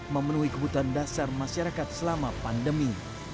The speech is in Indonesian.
memenuhi kebutuhan dasar masyarakat selama pandemi